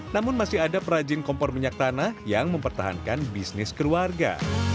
namun masih ada perajin kompor minyak tanah yang mempertahankan bisnis keluarga